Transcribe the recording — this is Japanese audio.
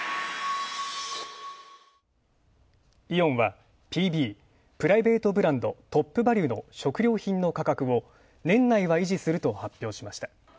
イオンはＰＢ＝プライベートブランド、トップバリュの食料品の価格を年内は維持すると発表しました。